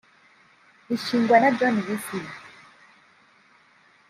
rishingwa na John Wesley